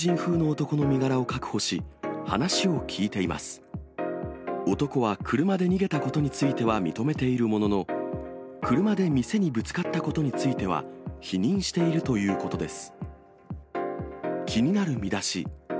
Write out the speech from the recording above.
男は車で逃げたことについては認めているものの、車で店にぶつかったことについては、否認しているということです。